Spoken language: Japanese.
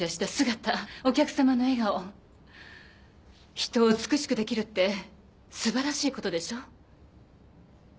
人を美しくできるって素晴らしいことでしょ？